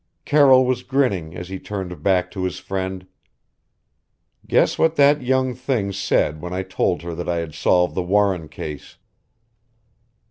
Carroll was grinning as he turned back to his friend "Guess what that young thing said when I told her I had solved the Warren case?"